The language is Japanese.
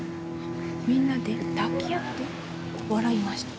みんなで抱き合って笑いました。